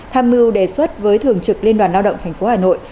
tham mưu đề xuất với thường trực liên đoàn lao động tp hà nội